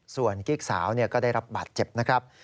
ส่วนกิ๊กสาวก็ได้รับบาดเจ็บนะครับ